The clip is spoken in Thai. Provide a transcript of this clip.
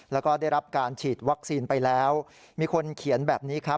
แล้วก็ได้รับการฉีดวัคซีนไปแล้วมีคนเขียนแบบนี้ครับ